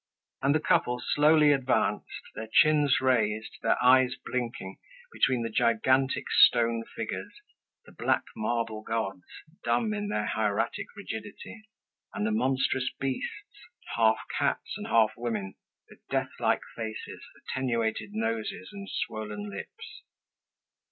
And the couples slowly advanced, their chins raised, their eyes blinking, between the gigantic stone figures, the black marble gods, dumb in their hieratic rigidity, and the monstrous beasts, half cats and half women, with death like faces, attenuated noses, and swollen lips.